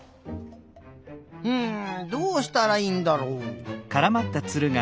うんどうしたらいいんだろう。